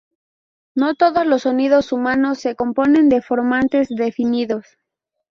No todos los sonidos humanos se componen de formantes definidos.